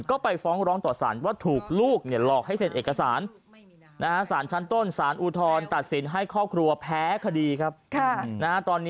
ก็ไปฟ้องร้องต่อสารว่าถูกลูกหลอกให้เซ็นเอกสาร